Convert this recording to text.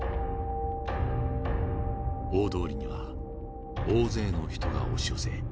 大通りには大勢の人が押し寄せ